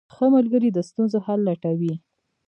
ښه ملګری د ستونزو حل لټوي.